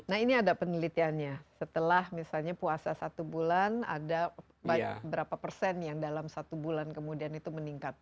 nah ini ada penelitiannya setelah misalnya puasa satu bulan ada berapa persen yang dalam satu bulan kemudian itu meningkat